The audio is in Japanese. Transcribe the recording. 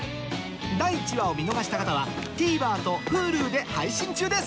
第１話を見逃した方はＴＶｅｒとＨｕｌｕで配信中です